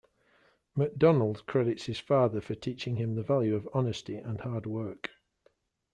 McDonald credits his father for teaching him the value of honesty and hard work.